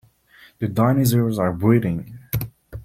The dinosaurs are breeding!